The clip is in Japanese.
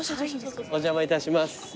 お邪魔いたします。